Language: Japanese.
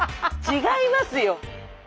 違いますよ！